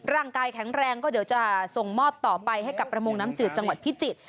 ร่างกายแข็งแรงก็เดี๋ยวจะส่งมอบต่อไปให้กับประมงน้ำจืดจังหวัดพิจิตร